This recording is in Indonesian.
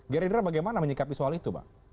geridra bagaimana menyikapi soal itu pak